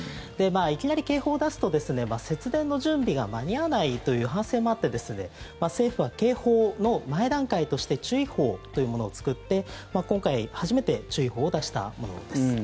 いきなり警報を出すと節電の準備が間に合わないという反省もあって政府は警報の前段階として注意報というものを作って今回初めて注意報を出したものです。